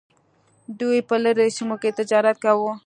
دوی په لرې سیمو کې تجارت کاوه.